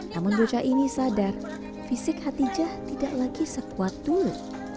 namun bocah ini sadar fisik hatijah tidak lagi sekuat dulu